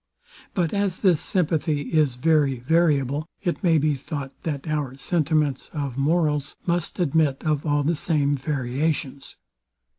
But as this sympathy is very variable, it may be thought that our sentiments of morals must admit of all the same variations.